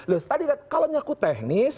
loh tadi kalau nyaku teknis